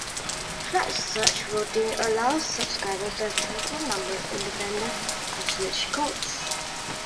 Flood search routing allows subscribers to have telephone numbers independent of switch codes.